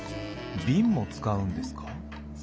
ビンも使うんですか？